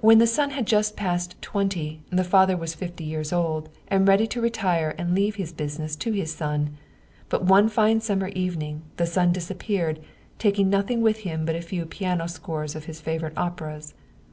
When the son had just passed twenty, the father was fifty years old, and ready to retire and to leave his business to his son. But one fine summer evening the son disap peared, taking nothing with him but a few piano scores of his favorite operas.